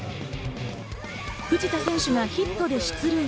藤田選手がヒットで出塁。